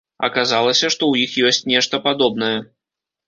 Аказалася, што ў іх ёсць нешта падобнае.